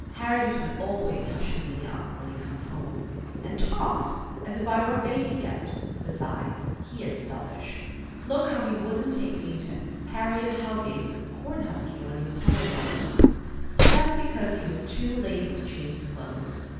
Harrington always hushes me up when he comes home, and talks as if I were a baby yet. Besides, he is selfish. Look how he wouldn't take me to Harriet Howegate's corn husking when he was home the last time, just because he was too lazy to change his clothes!